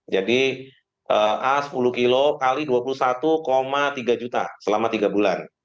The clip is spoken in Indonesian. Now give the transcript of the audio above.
jadi a sepuluh kilo x dua puluh satu tiga juta selama tiga bulan